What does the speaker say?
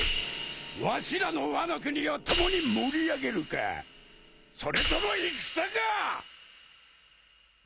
わしらのワノ国を共に盛り上げるかそれとも戦か！